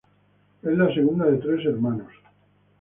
Es la segunda de tres hermanos.